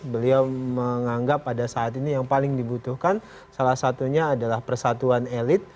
beliau menganggap pada saat ini yang paling dibutuhkan salah satunya adalah persatuan elit